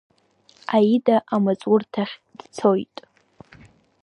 Аида амаҵурҭахь дцоит.